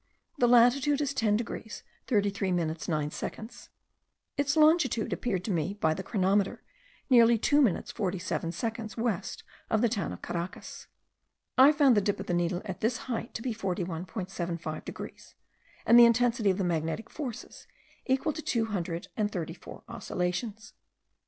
The latitude is 10 degrees 33 minutes 9 seconds. Its longitude appeared to me by the chronometer, nearly 2 minutes 47 seconds west of the town of Caracas. I found the dip of the needle at this height to be 41.75 degrees, and the intensity of the magnetic forces equal to two hundred and thirty four oscillations.